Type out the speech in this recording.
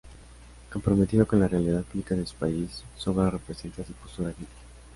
Comprometido con la realidad política de su país, su obra representa su postura crítica.